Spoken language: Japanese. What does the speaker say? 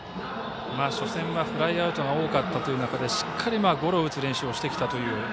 初戦はフライアウトが多かったという中でしっかり、ゴロを打つ練習をしてきたという。